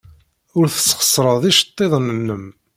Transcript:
Ur tesxeṣreḍ iceḍḍiḍen-nnem.